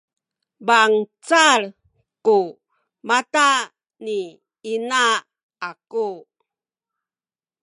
bangcal ku mata ni ina aku